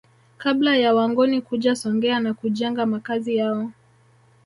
Kabla ya Wangoni kuja Songea na kujenga Makazi yao